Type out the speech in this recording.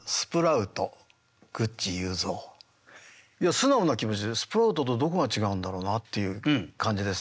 素直な気持ちでスプラウトとどこが違うんだろうなっていう感じですね。